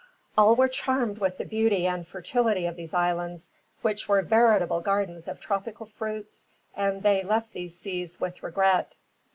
All were charmed with the beauty and fertility of these islands, which were veritable gardens of tropical fruits, and they left these seas with regret.